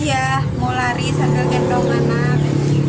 iya mau lari sambil gendong anak